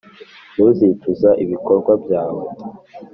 ntuzicuza ibikorwa byawe.